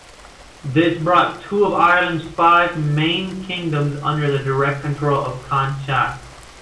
This brought two of Ireland's five main kingdoms under the direct control of Connacht.